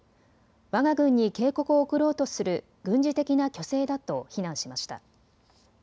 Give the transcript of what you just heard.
わが軍に警告を送ろうとする軍事的な虚勢だと非難しました。